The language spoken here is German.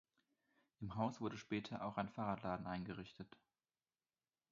Im Haus wurde später auch ein Fahrradladen eingerichtet.